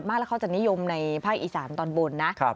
แล้วเขาจะนิยมในภาคอีสานตอนบนนะ